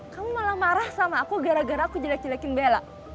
kamu malah marah sama aku gara gara aku jelek jelekin bela